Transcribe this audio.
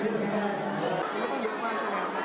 สวัสดีครับ